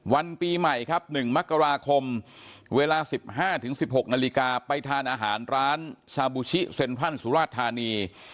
วันปีใหม่ครับหนึ่งมักกราคมเวลาสิบห้าถึงสิบหกนาฬิกาไปทานอาหารร้านซาบูชิเซ็นทรั่นสุราชธารณี